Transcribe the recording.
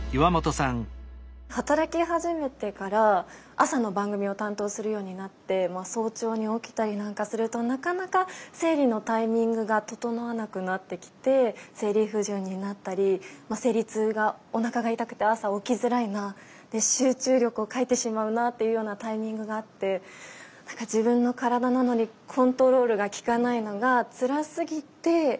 働き始めてから朝の番組を担当するようになって早朝に起きたりなんかするとなかなか生理のタイミングが整わなくなってきて生理不順になったり生理痛がおなかが痛くて朝起きづらいな集中力を欠いてしまうなというようなタイミングがあって自分の体なのにコントロールがきかないのがつらすぎて。